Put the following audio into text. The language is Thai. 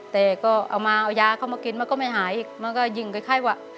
แต่ก็เอามาเอายาเข้ามากินมันก็ไม่หายอีกมันก็ยิ่งคล้ายว่า